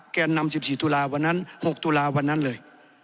แกนนำ๑๔ตุลาวันนั้น๖ตุลาวันนั้นเลย